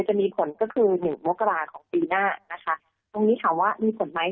จะมีผลก็คือหนึ่งมกราของปีหน้านะคะตรงนี้ถามว่ามีผลไหม